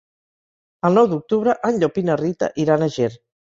El nou d'octubre en Llop i na Rita iran a Ger.